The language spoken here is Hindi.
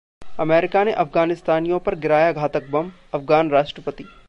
अमेरिका ने अफगानिस्तानियों पर गिराया घातक बमः अफगान राष्ट्रपति